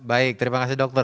baik terima kasih dokter